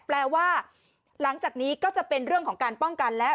แปลว่าหลังจากนี้ก็จะเป็นเรื่องของการป้องกันแล้ว